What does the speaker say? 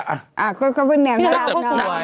อ้าวพี่ลาร่าก็สวยนะเพื่อน